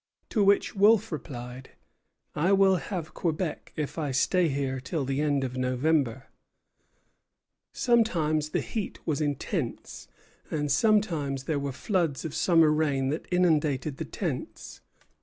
To which Wolfe replied: "I will have Quebec if I stay here till the end of November." Sometimes the heat was intense, and sometimes there were floods of summer rain that inundated the tents.